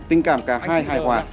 tình cảm cả hai hài hòa